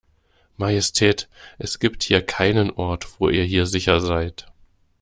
Majestät, es gibt keinen Ort wo ihr hier sicher seid.